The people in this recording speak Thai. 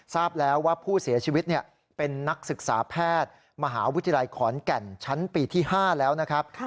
ทราบแล้วว่าผู้เสียชีวิตเป็นนักศึกษาแพทย์มหาวิทยาลัยขอนแก่นชั้นปีที่๕แล้วนะครับ